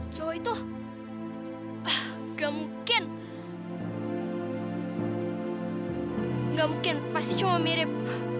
gak mungkin pasti cuma mirip